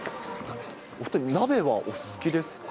お２人、鍋はお好きですか。